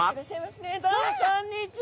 どうもこんにちは！